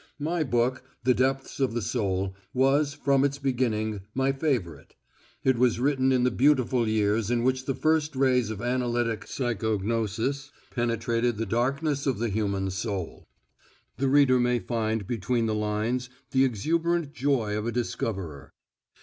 My book, The Depths of the Soul, was, from its beginning, my favourite. It was written in the beautiful years in which the first rays of analytic psychognosis penetrated the darkness of the human soul. The reader may find between the lines the exuberant joy of a discoverer.